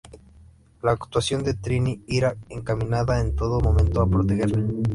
La actuación de Trini irá encaminada en todo momento a protegerla.